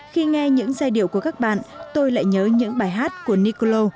khi nghe những giai điệu của các bạn tôi lại nhớ những bài hát của nicolo